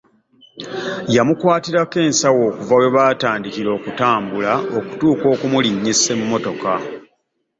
Yamukwatirako ensawo okuva we batandikira okutambula okutuusa okumulinnyisa emmotoka.